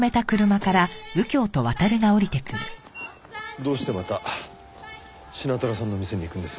どうしてまたシナトラさんの店に行くんです？